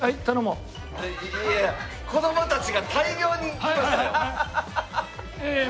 いや子供たちが大量に来ましたよ。